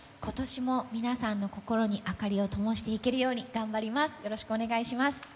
今年も皆さんの心に明かりをともしていけるように頑張ります